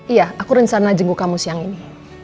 iya aku rencana jengu kamu siang ini